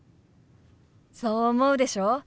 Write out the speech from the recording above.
そう思うでしょ？